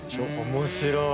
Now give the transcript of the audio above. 面白い！